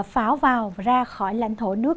pháo vào ra khỏi lãnh thổ nước